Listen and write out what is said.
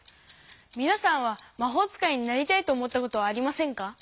みなさんはまほう使いになりたいと思ったことはありませんか？